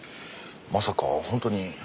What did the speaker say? まさか本当に。